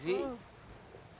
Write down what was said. saya pengusaha yang tadi politisi